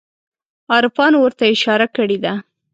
عارفانو ورته اشاره کړې ده.